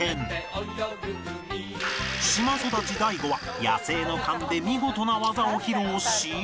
島育ち大悟は野生の勘で見事な技を披露し